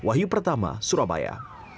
wahyu pertama surabaya